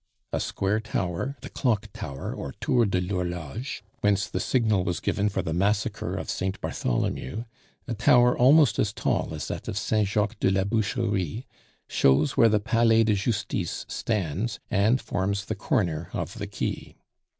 A square tower the Clock Tower, or Tour de l'Horloge, whence the signal was given for the massacre of Saint Bartholomew a tower almost as tall as that of Saint Jacques de la Boucherie, shows where the Palais de Justice stands, and forms the corner of the quay.